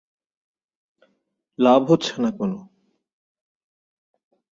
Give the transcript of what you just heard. লাভ হচ্ছে না কোনো।